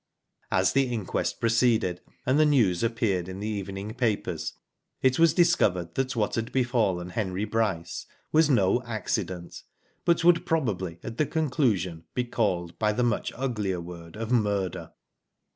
As the inquest proceeded, and the news appeared in the evening papers, it was discovered that what had befallen Henry Bryce was no accident, but would probably at the conclusion be called by the much uglier word of murder.